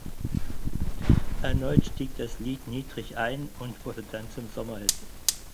Erneut stieg das Lied niedrig ein und wurde dann zum Sommerhit.